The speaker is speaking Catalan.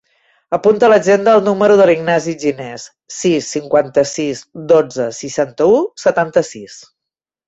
Apunta a l'agenda el número de l'Ignasi Gines: sis, cinquanta-sis, dotze, seixanta-u, setanta-sis.